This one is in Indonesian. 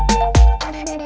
kau mau kemana